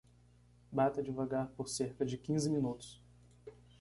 Bata devagar por cerca de quinze minutos.